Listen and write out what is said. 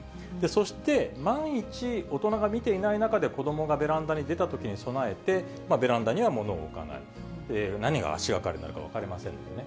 そして、万一、大人が見ていない中で子どもがベランダに出たときに備えて、ベランダには物を置かない、何が足がかりになるか分かりませんのでね。